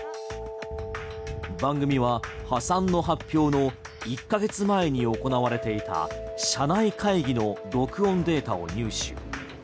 番組は破産の発表の１ヶ月前に行われていた社内会議の録音データを入手。